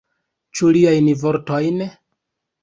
Ĉu liajn vortojn?